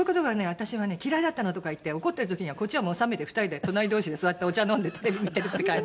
私はね嫌いだったの！」とか言って怒ってる時にはこっちはもう冷めて２人で隣同士で座ってお茶飲んでテレビ見てるって感じ。